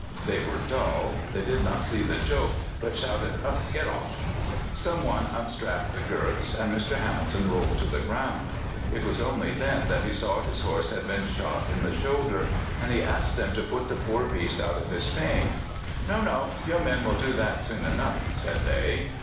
They were dull; they did not see the joke, but shouted, "Get off!" Some one unstrapped the girths, and Mr. Hamilton rolled to the ground. It was only then that he saw his horse had been shot in the shoulder, and he asked them to put the poor beast out of his pain. "No, no! Your men will do that soon enough," said they.